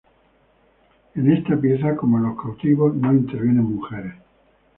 En esta pieza, como en los Cautivos no intervienen mujeres.